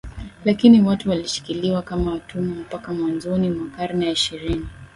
Lakini watu walishikiliwa kama watumwa mpaka mwanzoni mwa karne ya ishirini